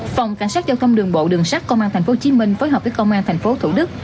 phòng cảnh sát giao thông đường bộ đường sát công an tp hcm phối hợp với công an tp thủ đức